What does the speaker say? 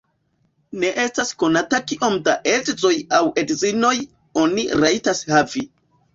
Ne estas konata kiom da edzoj aŭ edzinoj oni rajtas havi.